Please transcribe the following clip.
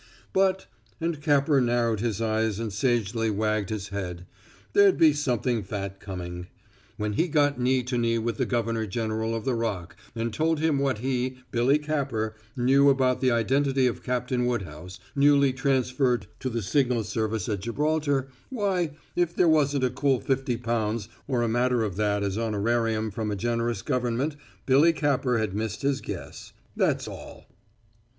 But and Capper narrowed his eyes and sagely wagged his head there'd be something fat coming. When he got knee to knee with the governor general of the Rock, and told him what he, Billy Capper, knew about the identity of Captain Woodhouse, newly transferred to the signal service at Gibraltar, why, if there wasn't a cool fifty pounds or a matter of that as honorarium from a generous government Billy Capper had missed his guess; that's all.